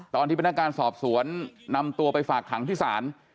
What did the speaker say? ตอนที่พนักงานสอบสวนนำตัวไปฝากขังที่ศาล